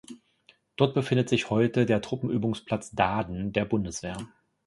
Dort befindet sich heute der Truppenübungsplatz Daaden der Bundeswehr.